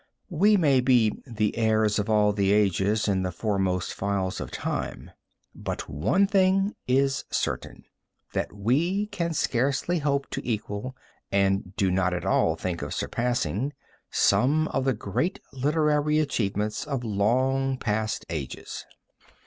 We may be "the heirs of all the ages in the foremost files of time," but one thing is certain, that we can scarcely hope to equal, and do not at all think of surpassing, some of the great literary achievements of long past ages.